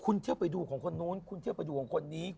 คุณเที่ยวไปดูของคนนู้นคุณเที่ยวไปดูของคนนี้